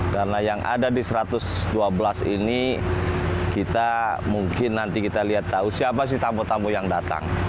karena yang ada di satu ratus dua belas ini kita mungkin nanti kita lihat tahu siapa sih tamu tamu yang datang